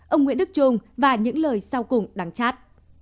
ông nguyễn đức trung và những lời sau cùng đắng chát